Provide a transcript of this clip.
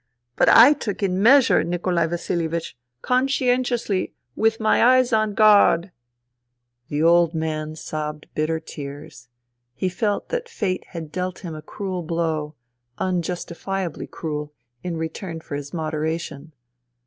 But I took in measure, Nikolai Vasilievich, conscientiously, with my eyes on God. ... The old man sobbed bitter tears. He felt that fate had dealt him a cruel blow, unjustifiably cruel, in return for his moderation.